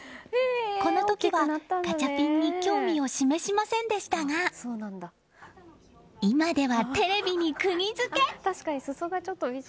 この時はガチャピンに興味を示しませんでしたが今ではテレビにくぎ付け！